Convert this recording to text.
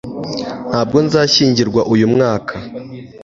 ntabwo nzashyingirwa uyu mwaka